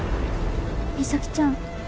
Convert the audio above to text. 実咲ちゃん